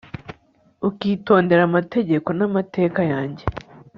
ukitondera amategeko n'amateka yanjye